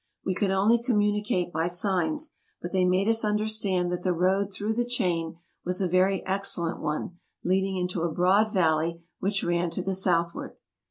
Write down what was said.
We could only communicate by signs; but they made us understand that the road through the chain was a very excellent one leading into a broad valley which ran to the southward.